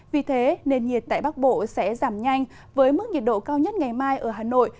vì thế nền nhiệt tại bắc bộ sẽ giảm nhanh với mức nhiệt độ cao nhất ngày mai ở hà nội